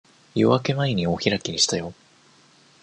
夜明け前にお開きにしたよ。